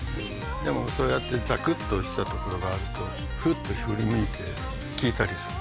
でもそうやってザクっとしたところがあるとふっと振り向いて聴いたりする。